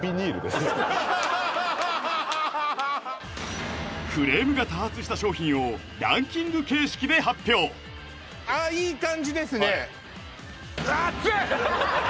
ハハハハハハクレームが多発した商品をランキング形式で発表ああいい感じですね